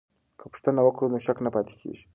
که پوښتنه وکړو نو شک نه پاتې کیږي.